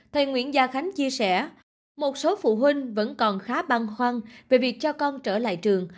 thầy nguyễn gia khánh chia sẻ một số phụ huynh vẫn còn khá băng khoăn về việc cho con trở lại trường